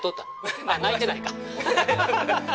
あっ泣いてないか。